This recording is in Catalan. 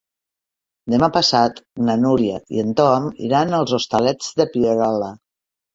Demà passat na Núria i en Tom iran als Hostalets de Pierola.